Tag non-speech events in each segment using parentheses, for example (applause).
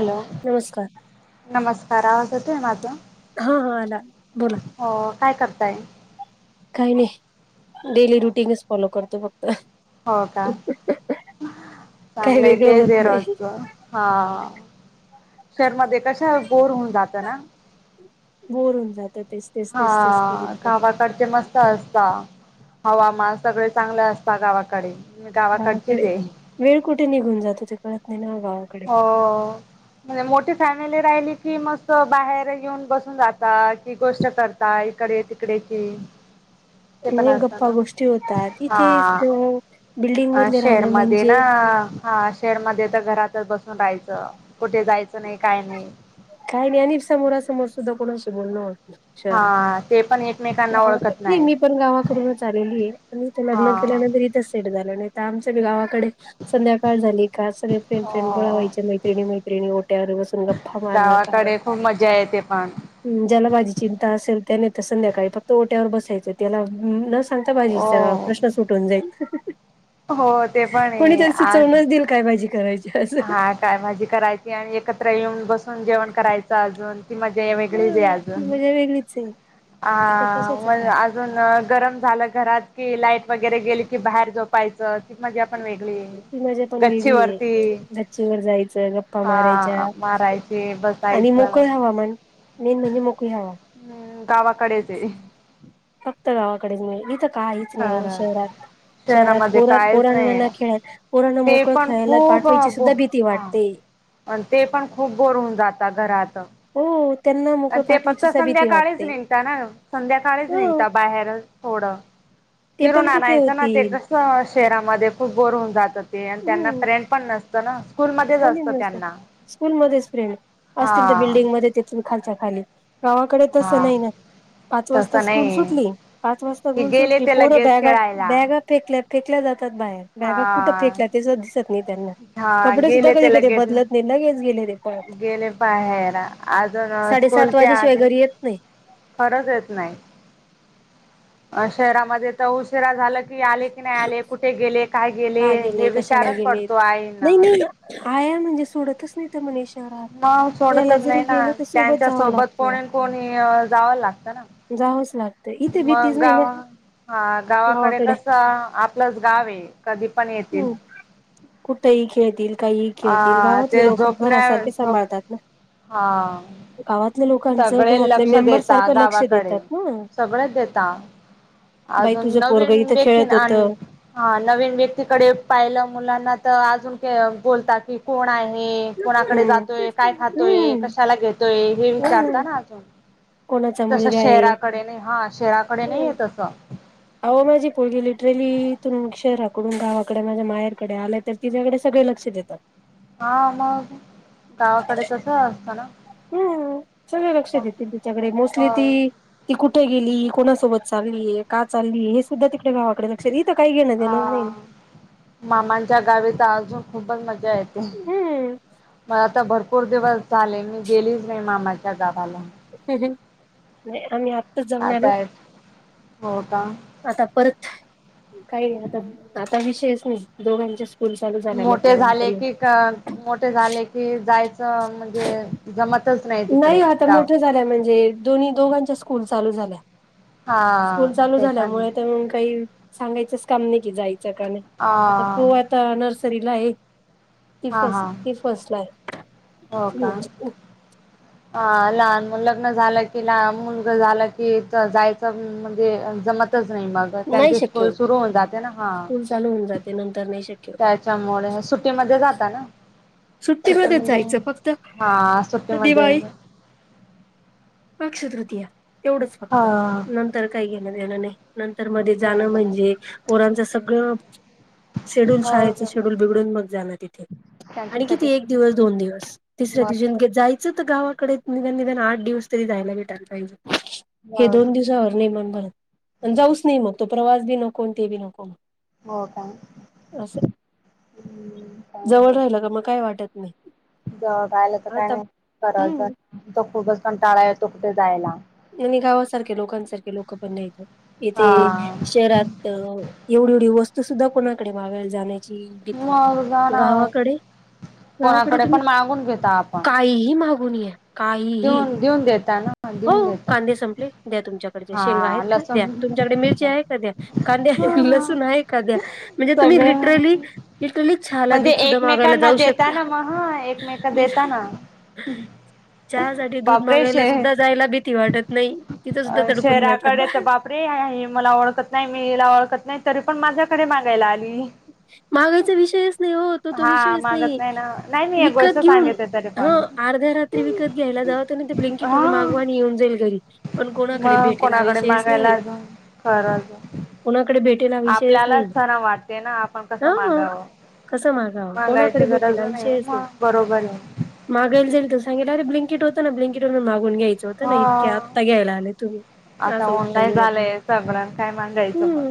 Hello नमस्कार नमस्कार आवाजेत माझ हा हा आला बोला काय करताय काही नाही डेली रुटीनच फॉलो करतो फक्त हो का काही चांगलं वेगळं तेज होत नाही रच हा शर्मदे कशा बोर होऊन जात ना बोरहुन जाते हा कावाकडते मस्त असत हवामान सगळे चांगले असता गावाकडे मी गावाकडचीच हाकडे आहे वेळ कुठे निघून जातो ते कळत नाही ना गावाकडे हो म्हणजे मोठी फॅमिली राहिली कि मस्त बाहेर येऊन बसून जाता कि गोष्ट करता इकडे तिकडे कि (inaudible) तेप न म्हणजे गप्पा असना गोष्टी होतात इथे अ बिल्डिंग हा मधले राहणं शेरमध्ये ना म्हणजे हा शेरमध्ये तर घरातच बसून राहायचं कुठे जायचं नाही काय नाही काही नाही आणि समोरासमोर सुद्धा कोणाशी बोलण हा ते पण एकमेकांना गावा ओळखत नाही मी पण गावाकडूनच आलेली आहे पण इथं लग्न हा केल्यानंतर इथं सेट झालं नाही त्या आमच्या गावा डे संध्याकाळ झाली का सगळे फ्रेंड फ्रेंड गोळा व्हायचे मैत्रणी मैत्रिणी ओट्यावर बसून गप्पा मारत काय गावाकडे खूप मजा येते पण. ज्याला माझी चिंता असेल त्याने तर संध्याकाळी फक्त ओट्यावर बसायचं त्याला न सांगता भाजीचा हो. प्रश्न सुटवून जाईल. हो ते पण ये कोणीतरी आज सुचवूनच देईल काय भाजी करायची असं हा काय भाजी करायची आणि एकत्र येऊन बसून जेवण करायचं अजून ती मजा वेगळीच आहे ह ती अजून मजा वेगळीच आहे अ इथ कशाच मग काय अजून गरम झालं घरात की लाईट वगैरे गेली की बाहेर झोपयचं की मगे ती मजा पण वेगळी आहे वर जायचं गप्पा मारायच्या हा मारायचे आणि बसायचं मोकळ हवामान मेन म्हणजे मोकळी हवा हम्म गावाकडेच ये फक्त गावाकडेच मिळेल इथं काहीच नाही शहरात शहरात शहरामध्ये पोरण कायच नाही पोरणना खेळत पोरांना ते मोकळ पण खेळायला खूप पाठवायची बो सुद्धा भीती हा वाटते ते पण खूप बोर होऊन जातात घरात आणि हो. त्यांना मोकळ ते फक्त पाठवायची सुद्धा भीती संध्याकाळीच वाटते निघता ना संध्याकाळीच ह निघता बाहेर थोडं ते फिरून पण कुठे आणायचं ना ते होतील कस शहरामध्ये खूप बोर होऊन जातं ते आणि त्यांना फ्रेंड पण नसतं ना स्कूलमध्येच असतं कोणीही नसतय त्यांना स्कूलमध्येच फ्रेंड हा असतील तर बिल्डिंगमध्येध्ये तेथून खालच्या खाली गावाकडे तसं हा नाही ना पाच वाजता तसं स्कूल नाही सुटली पाच वाजता कि सग गेले सुटली ते पोरं लगेच बॅग खेळायला बॅगा फेक फेकल्या जातात बाहेर हा बॅगा कुठ फेकल्या ते सुद्धा दिसत नाही त्यांना हा कपडे गेले कधी ते कधी लगेच बदलत नाही लगेच गेले ते पळत गेले बाहेर अजून साडे सात स्कूलच्या वाजे शिवाय आधी घरी येत नाही खरंच येत नाही अ शहरामध्ये तर उशिरा झाला की आले की नाही आले कुठे गेले काय गेले का हे गेलंय कशाला विचारच गेलंय पडतो नाही नाही आईंना आया म्हणजे सोडतच नाही तर मनीष मव सोडतच नाही ना त्यांच्या जावं सोबत कोणी लागतं कोणी जावला लागतं ना जावंच लागतं इथे मग भीतीच नाही ना गाव हा गावाकडे कस आपलंच गाव आहे कधी पण येतील हम्म कुठेही खेळतील काहीही ह खेळतील ते गावातले लोक झोपण्या घरासारखे झप सांभाळतात ना हा गावातल्या लोकांचं सगळे घरातल्या लक्ष मेंबर देता सारखं लक्ष गावाकडे देतात ना सगळेच देता बाई अजून तुझं पोरग नवीन इथं व्यक्ती खेळत होत हा नवीन व्यक्ती तिकडे पाहिलं मुलांना तर अजून बोलता की कोण आहे कोणाकडे हम्म जातोय काय खातोय हम्म कशाला घेतोय हे हम्म विचारता ना अजून कोणाचा तस मुलगा आहे शहराकडे नाही हा शहराकडे नाही आहे तस अहो माझी पोरगी लिटरली तु शहराकडून गावाकडे माझ्या माझ्या माहयरकडे आलंय तर तिझ्याकडे सग पु लक्ष देतात हा मग गावाकडे तसं असतं ना हम्म सगळे लक्ष देतील तिच्याकडे मोस्टली मग ती ती कुठे गेली कोणा सोबत चालली का चाल हे सुद्धा गावाकडे लक्ष इथं काही घेणं अ देणं नाही ना. मामांच्या गावीत अजून खूपच मजा येते हम्म मला आता भरपूर भपूर दिवस झाले मी गेलीच नाही मामाच्या गावाला ह आम आत जावणारर होटा काही नाही आता आता विषयच नाही दोघांच्या स्कूल चालू झाल्या मोठे म्हटल्यानंतर झाले मग की मोठे झाले की जायचं म्हणजे जमत नाही आता मोठ झाल्या म्हणजे दोन्ही दोघांच्या स्कूल चालू झाल्या हा स्कूल चालू ते पण झाल्यामुळे काही सांगायचच काम नाही कि जायच अ आता तो आता नर्सरीला आहे ति हा फस हा ति फोसलाय हो का ह लहान मु लग्न झालं की लहान मुलग झाला की जायचं म्हणजे जमतच नाही मग नाही त्यांचे शक्य स्कूल होत सुरू होऊन जाते ना हा स्कूल चालू होऊन जाते नंतर नाही शक्य होत त्याच्यामुळे सुटीमध्ये जाता ना सुट्टीमध्येच सुट्टीमध्ये जायचं फक्त हा सुट्टीमध्ये दिवाळी पक्ष तृतीया एवढंच फक्त हा. नंतर काही घेण येणं नाही नंतर मध्ये जाणं म्हणजे पोरांचं सगळं शेड्यूल मग शाळेचं शेड्यूल बिघडून मग जाणं तिथे आणि किती त्यांच्यासाठी एक दिवस दोन दिवस तिसऱ्या मग दिवशी जायचं गावाकडे निवनघन आठ दिवस तरी जायला भेटाला पाहिजे हे मग दोन दिवसावर नेमान भरत आणि जाऊच नाही मग तो प्रवास बी नकोन ते बी नको हो का असं ह् क मग काय वाटत नाही ज गयला तर काय आता नाही हम्म तो खूपच पण टाळा येतो कुठे जायला. आणि गावासारखे लोकांसारखे लोक पण नाहीेत इथे हा शहरात एवढी एवढी वस्त तू सुद्धा कोणाकडे माग जाण्याची भीती मग जाणार गावाकडे गावाकडे कोणाकडे तुम्ही पण मागून घेता आपण काहीही माग देऊन देऊन द्याेत हो कांदे संपले द्या तुमच्याकडचे शेंगा आहेत हा का द्या लसूण तुमच्याकडे मिरची आहे का द्या कांद्या लसू आहे कांद्या म्हणजे तुम्ही सगळे लिरली ल छला म्हणजे दूध सुद्धा मागायला एकमेकांना जाऊ देता शकता ना मग हा एकमेक मी देता ना चहा साठी दूध बापरे मागायला सुद्धा जायला भीती वाटत नाही. तिथं सुद्धा तडकून जातात शहरा्याकडे तर बाहेर बापरे मला ओळखत नाही मी हिला ओळखत नाही. नाही तरी पण माझ्याकडे मागायला आली. महागाईचा विषय. हो तो तो हा विषयच मागत नाही ना नाही मी एक गोष्ट विकत घेऊन सांगितते तरी ह पण अर्ध्या रात्री विकत घ्याला. जा ना ते ब्लिंकीट वर हा मागवा आणि येऊन जाईल घरी पण कोणाकडे भेटेल हा विषयच नाही. खरज विषयच नाही आपल्यालाच जरा वाटते ना आपण.. कसं मागावं मागायची कोकडे गरज नाही भेटे मग बरोबर आहे. मागा जाल सग अरे ब. ट होता ना ब्लँकेटवर मागून घयचं होत हो ना इतक्या आत्ता घ्यायलाले तुम्ही. आता असं उत्तर ऑनलाय मिळेल झालंय सगळ्यांना काय मगायचं मग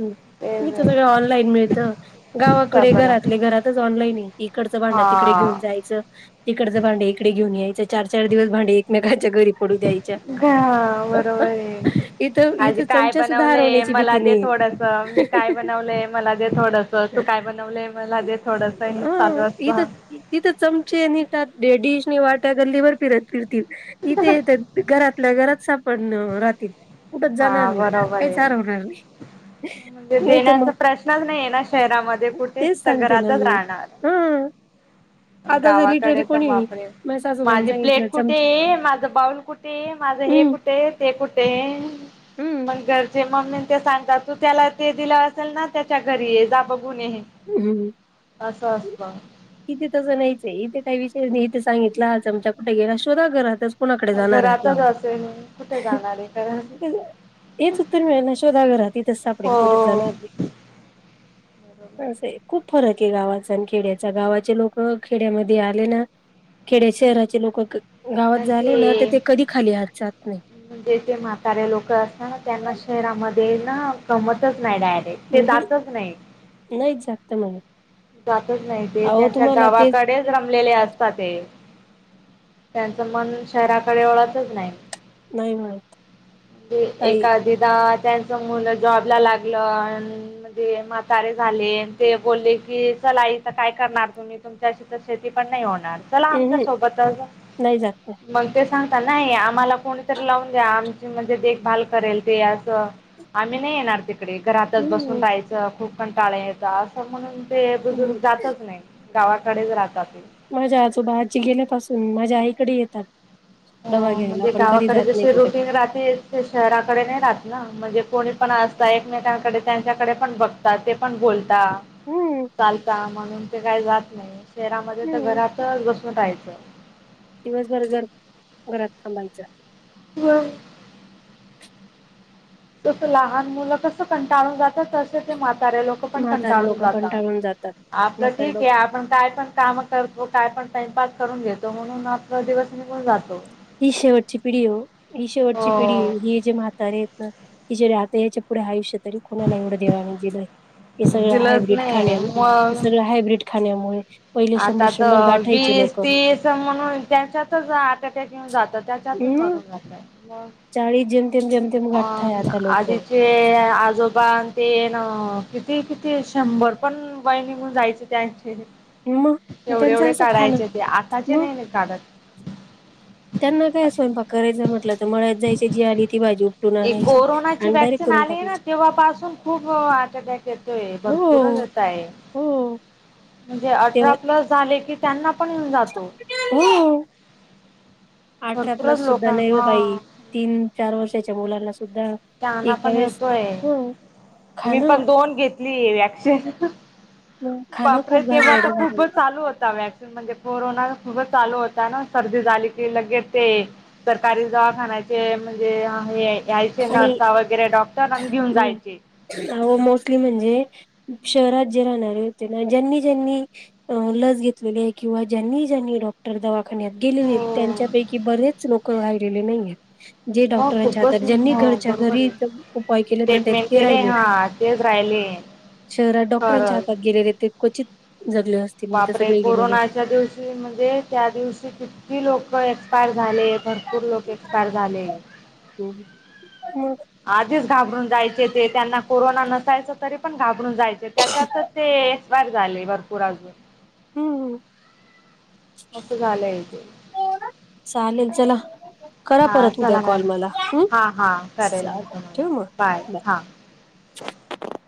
ह मी तेच तर सगळं आहे ऑनलाईन मिळत गावाकडे सगळं घरातले घरातच ऑनलाईन आहे इकडं भांडं तिकडे घेऊन हा जायचं तिकडचं भांडं इकडे घेऊन. घेऊन यायचे चार चार दिवस भांडे एकमेक घरी पडू द्याच्या बरोबर आहे. इथ आज इथ काय चमचा सुधा बनवलंय हरवण्याची मला भीती नाहीये. थोडस मी काय बनवलंय मला दे थोडस. तू काय बनवलंय मला दे थोडस हे चालू हा असत इथ इथ चमचेे नीट. वाट्या गल्लीवर फिरत फिरतील इथे घरातल्या घात. क पण राहातत. हा बरोबर आहेण नाही तर मग देण्याचा प्रश्नच नाही आहे ना श. शहरामध्ये कठती तेच सु सांगते ना घरातच मी राहणार. हा आता जर गावाकडे लिटरली तर कोणी वापरेल माझ्या सासूबाईन माझी सांगितलं प्लेट कुठे चमच आहे माझ बाऊल कुठे आहे. माझं हे हम्म कुठे ते कुठे.. हम्म मग घरचे मम्मी ते सांगतात तू त्याला ते दिलं असेल ना त्याच्या घरी ये जा.... गुणी हम्म असं असतं. इथे तसं नाहीचय इथे काही विषय नाही इथे सांगितला आमच्या कुठे गेला शोधा घरात.... कुणाकडे जाणार आहे घरातच आपल्यावर... असेल कुठे जाणार आहे कारण हेच उत्तर मिळेल ना शोधा घरहात तिथंच हो सापडेल कुठेच जाणार नाही... असं आहे खूप फरक आहे गावाचा आणि खेड्यात.... आ गावाचे लोक खेड्यामध्ये आले ना खेड्या शहराचे लोक.... गावात झाले ना तर ते कधी खाली आातात... म्हणजे जे म्हातारे लोक असत ना त्यांना शहरामध्ये ना गमतच.. नाही डायरेक्ट ते अहं जातच नाही... नाहीच जागत म्हणे जातच नाही ते अहो त्यांच्या तुम्हाला तेच गावाकडेच रमलेले असतात ते.... त्यांचं मन शहराकडे ओळतच नाही. नाही माहित.. (unintelligible) त्यांचं मुलं जॉबला लागलं म्हणज ते म्हातारे झाले ते बोलले की.... काय करणार तुम्ही तुमच्याशी तर शेती पण नाही होणार... चला आमच्या अहं सोबतच नाही जागत मग ते.... सांगता नाही आम्हाला कोणीतरी लावून द्या आम.... म्हणजे देखभाल करेल ते असं आम्ही नाही येणार तिकडे घरातच बसून हम्म राहायचं खूप... पण टाळे येत असं म्हणून ते बुजुर्ग हम्म जातच नाही गावाकडेच राहतात ते.... माझ्या आजोबाजी गेल्यापासून माझ्या आईकडे येतात. हो डबा घ्यायला म्हणजे पण कधी गावाकडे जात नाही जशी कुठे रुटीन राहते शहराकडे नाही राहत ना म्हणजे.... कोणी पण असता एकमेकांकडे त्यांच्याकडे पण बघताात ते पण बोलता.... हम्म चालता म्हणून ते काही जात नाही शहरामध्ये तर हम्म घरातच बसून राहायचं... दिवसभर जर घरात थांबायचं.... ब (unintelligible) तस लहान मुलं कस कंटाळून जातात तस ते मात.... से लोक पण म्हातारे कंटाळून लोक जातात. कंटाळून जातात आपलं म्हातारे ठीक आहे लोक आपण काय पण काम करतो काय पण... टाइम पास करून घेतो म्हणून आप दिवस निघून जातो. ही शेवटची पिढी ही शेवटची पिढी हो ही जे म्हातारे आहेत ना.. हि राहत यांच्या पुढे आयुष्यात... तरी कोुणाला एवढं देवाण दिलं हे सगळं दिलंच हायब्र्रीड खाण्या नाही मग सगळं हायब्रीड खाण्या..... आता तर वीस लोक तीस म्हणून त्यांच्यातच आता.... जात त्याच्यातून हम् मरून जात म... चाळीस जेमतेम जेमतेम गाठताय अ आता लोक आधीचे आजोबा ते ना... किती किती शंभर पण बहि निघून जायचे त्याचे.... मग तेवढे त्यांचं एवढे असं खाणं काढायचे ते आताचे मग नाही ना काढत... त्यांना काय स्वयंपाक करायच म्हट तर मळ्यात जायचे जी आणि.. ती भाजी उपटून आणायची कोरोनाची डायरेक्ट वॅक्सिन करून आली आहे ना टाकायची तेव्हापासून खूप आर्ट अटॅक येतोय... हो गुणच असाय हो अठरा तेव्हा प्लस झाले की... त्यांना पण जातो. हो अठरा भरपूरच प्लस लोक सुद्धा नाही. हो हा बाई तीन, चार वर्षाच्या मुलांला सुद्धा त्यांना एका पण वेळेस, येतोय हो. मी पण दोन घेतली व्याक्शन खाणं बापरे! खूप तेव्हा आ घाणेरडं खूप झालेलं चालू होता वॅक्सिंग म्हणजे कोरोन चालू होता ना सर्दी झाली की लगे ते सरकारी दवाखान्याचे म्हणजे यायचे आणि नर्स वगैरे डॉक्टर आणि घेऊन जायचे. अहो मोस्टली म्हणजे शहरात जे राहणारे होते ना ज्यांनी ज्यांनी लस घेतलेली आहे किंवा ज्यांनी डॉक्टर दवा खाण्यात हो त्यांच्यापैकी बरेच लोक राहिलेले नाही. जे मग डॉक्टरांच्या खूपच हातात ज्यांनी हो घरच्या बरोबर घरी आहे. उपाय केले ना त्या ट्रीटमेंट ते केले राहिले. हा तेच राहिले शहरात डॉक्टरांच्या खरंच. हातात गेलेले ते क्वचित जगले असतील नाही तर बापरे! सगळे गेलेले कोरोनाच्या दिवशी म्हणजे त्या दिवशी कितकी लोक झाले भरपूर लोक एक्सपायर झाले. हम्म आधीच घाबरून जायचे. ते त्यांना कोरोना नसायच तरी पण घाबर जायचे त्याच्यातच ते एक्सपायर झाले भरपूर अजून हम्म. आस झालंय ते. चालेल चला करा हां परत उद्या चला मॅम कॉल मला ह. हां हां करेल चाल मी तुम्हाला ठेव मग? बाय. हां (unintelligible)